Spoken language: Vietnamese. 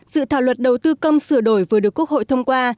dự thảo luật đầu tư công sửa đổi vừa được quốc hội thông qua